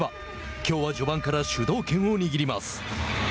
きょうは序盤から主導権を握ります。